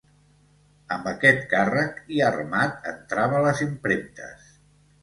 Amb aquest càrrec, i armat, entrava a les impremtes.